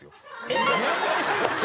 えっ？